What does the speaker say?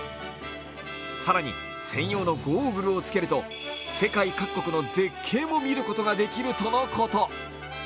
更に専用のゴーグルをつけると世界各国の絶景も見ることができるとのこと。